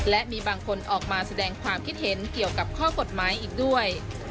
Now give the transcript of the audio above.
และมีบางคนออกมาแสดงความคิดเห็นเกี่ยวกับข้อกฎหมายอีกด้วย